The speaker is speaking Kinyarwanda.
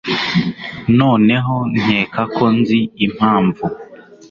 noneho nkeka ko nzi impamvu